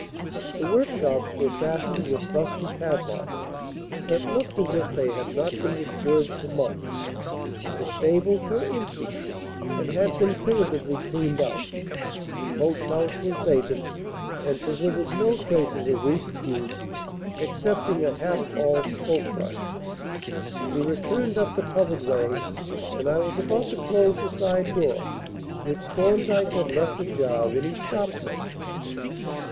The workshops were fastened with rusty padlocks that looked as if they had not been disturbed for months. The stables were empty and had been tentatively cleaned out, the coach house was vacant, and presented no traces of recent use excepting a half bald spoke brush. We returned up the covered way and I was about to close the side door, which Thorndyke had left ajar, when he stopped me.